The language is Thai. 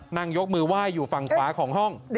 นั่งยกมือไหว้อยู่ฝั่งขวาของห้อง